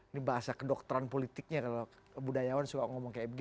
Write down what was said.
ini bahasa kedokteran politiknya kalau budayawan suka ngomong kayak begini